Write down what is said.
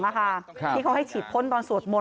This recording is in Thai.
จะชีดพ่นกับกินซวร์ทมุน